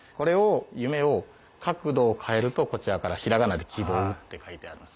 「夢」を角度を変えるとこちらから平仮名で「きぼう」って書いてあります。